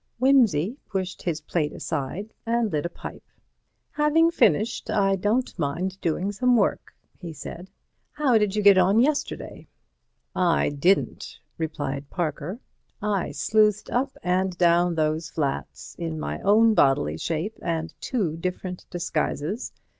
Wimsey pushed his plate aside and lit a pipe. "Having finished, I don't mind doing some work," he said. "How did you get on yesterday?" "I didn't," replied Parker. "I sleuthed up and down those flats in my own bodily shape and two different disguises.